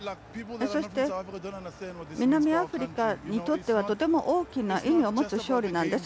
そして、南アフリカにとってはとても大きな意味を持つ勝利なんです。